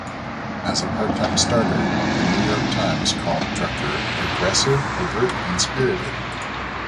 As a part-time starter, The New York Times called Drucker "aggressive, alert and spirited".